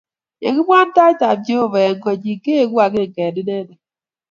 Ye kibwaa tait ab Jehovah eng kot nyi, keeku agenge eng inendet